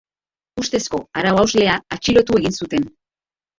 Ustezko arau-hauslea atxilotu egin zuten.